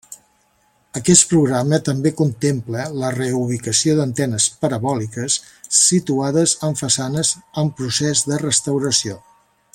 Aquest programa també contempla la reubicació d'antenes parabòliques situades en façanes en procés de restauració.